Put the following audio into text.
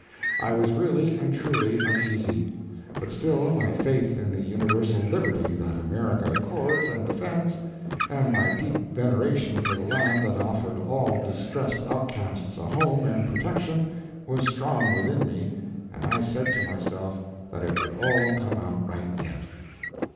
I was really and truly uneasy, but still my faith in the universal liberty that America accords and defends, and my deep veneration for the land that offered all distressed outcasts a home and protection, was strong within me, and I said to myself that it would all come out right yet.